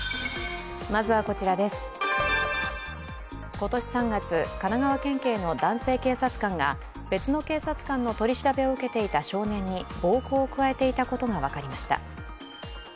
今年３月、神奈川県警の男性警察官が別の警察官の取り調べを受けていた少年に暴行を加えていたことが分かりました。